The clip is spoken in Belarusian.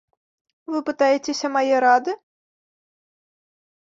Вы пытаецеся мае рады?